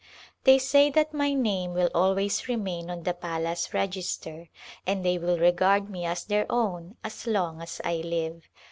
They say that my name will always remain on the palace register and they will regard me as their own as long as I live.